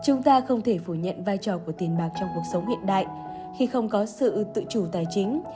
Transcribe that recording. chúng ta không thể phủ nhận vai trò của tiền bạc trong cuộc sống hiện đại khi không có sự tự chủ tài chính